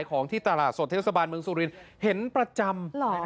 ของที่ตลาดสดเทศบาลเมืองสุรินเห็นประจำ